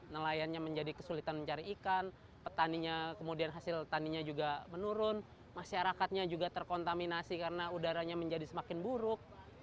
nelayannya menjadi kesulitan mencari ikan petaninya kemudian hasil taninya juga menurun masyarakatnya juga terkontaminasi karena udaranya menjadi semakin buruk